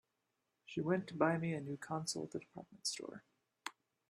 She went to buy me a new console at the department store.